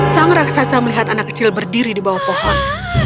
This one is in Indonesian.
sang raksasa melihat anak kecil berdiri di bawah pohon